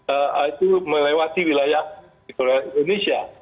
itu melewati wilayah indonesia